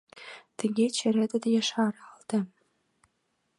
Тыге черетет ешаралте.